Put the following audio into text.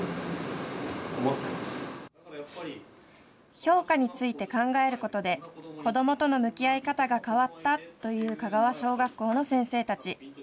評価について考えることで、子どもとの向き合い方が変わったという香川小学校の先生たち。